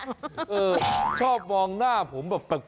ชอบมองหน้าผมแบบแปลก